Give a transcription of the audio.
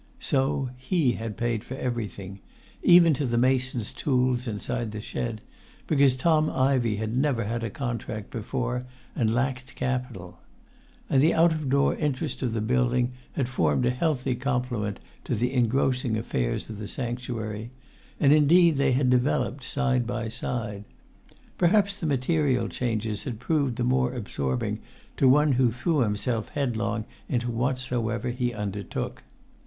So he had paid for everything, even to the mason's tools inside the shed, because Tom Ivey had never had a contract before and lacked capital. And the out door interest of the building had formed a healthy complement to the engrossing affairs of the sanctuary; and, indeed, they had developed side by side. Perhaps the material changes had proved the more absorbing to one who threw himself headlong into whatsoever he undertook.